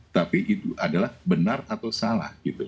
tapi itu adalah benar atau salah gitu